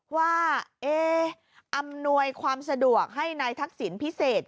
ว่าอำนวยความสะดวกให้นายทักษิณพิเศษ